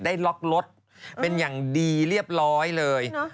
ได้ล็อกรถเป็นอย่างดีเรียบร้อยเลย